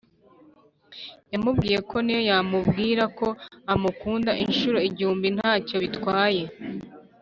yamubwiyeko niyo yamubwira ko amukunda inshuro igihumbi ntacyo bitwaye